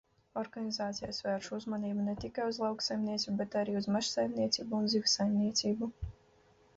Organizācijas vērš uzmanību ne tikai uz lauksaimniecību, bet arī uz mežsaimniecību un zivsaimniecību.